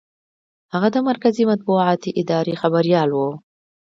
هغه د مرکزي مطبوعاتي ادارې خبریال و.